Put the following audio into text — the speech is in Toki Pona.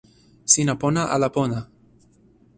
sina pona ala pona?